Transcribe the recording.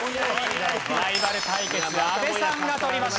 ライバル対決は阿部さんが取りました。